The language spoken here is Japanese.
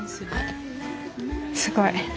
すごい。